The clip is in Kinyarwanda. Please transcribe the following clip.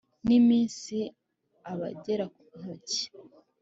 N'iminsi abagera ntoki